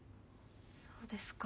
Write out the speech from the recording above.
そうですか。